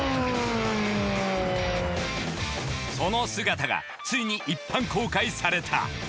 その姿がついに一般公開された。